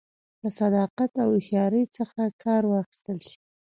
له صداقت او هوښیارۍ څخه کار واخیستل شي